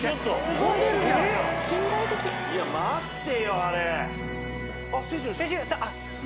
いや待ってよあれ。